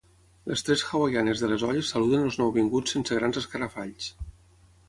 Les tres hawaianes de les olles saluden els nouvinguts sense grans escarafalls.